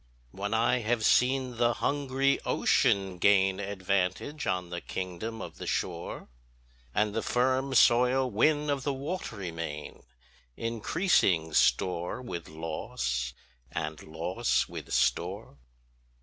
When I have seen the hungry ocean gain Advantage on the kingdom of the shore, And the firm soil win of the watery main, Increasing store with loss, and loss with store.